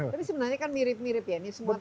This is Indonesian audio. tapi sebenarnya kan mirip mirip ya ini semua